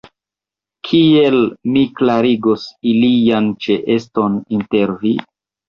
Kiel mi klarigos ilian ĉeeston inter vi?